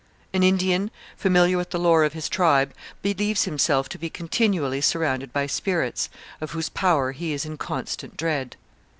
An Indian familiar with the lore of his tribe believes himself to be continually surrounded by spirits, of whose power he is in constant dread.